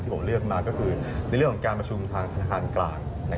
ผมเลือกมาก็คือในเรื่องของการประชุมทางธนาคารกลาง